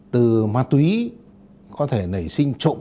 từ ma túy có thể nảy sinh trộm